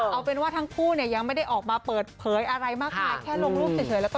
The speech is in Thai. เอาเป็นว่าทางผู้ยังไม่ได้ออกมาเปิดเผยอะไรมาก